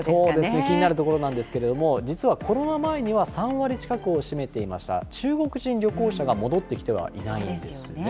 気になるところなんですけれども、実はコロナ前には３割近くを占めていました中国人旅行者が戻ってきてはいないんですよね。